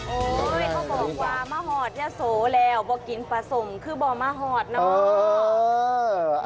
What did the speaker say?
เขาบอกว่ามะหอดยะโสแล้วบ่อกินปลาส้มคือบ่อมาหอดเนอะ